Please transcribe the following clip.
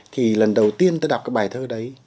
thì lần đầu tiên tôi đọc cái bài thơ đấy